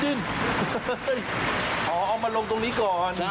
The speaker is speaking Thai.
อ๋อเอามาลงตรงนี้ก่อน